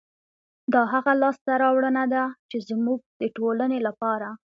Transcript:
دا هغه لاسته راوړنه ده، چې زموږ د ټولنې لپاره